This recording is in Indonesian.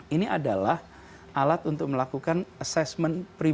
ini adalah alat untuk melakukan assessment